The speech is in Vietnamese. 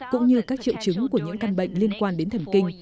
cũng như các triệu chứng của những căn bệnh liên quan đến thần kinh